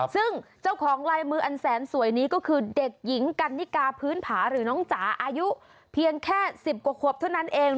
ซึ่งเจ้าของลายมืออันแสนสวยนี้ก็คือเด็กหญิงกันนิกาพื้นผาหรือน้องจ๋าอายุเพียงแค่๑๐กว่าขวบเท่านั้นเอง